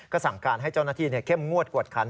กระสั่งการให้จัวร์หน้าที่อะเข้มงวดกวดคัน